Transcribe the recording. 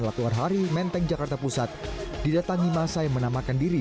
laku warhari menteng jakarta pusat didatangi massa yang menamakan diri